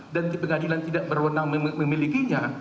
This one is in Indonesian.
dan pengadilan tidak berwenang memilikinya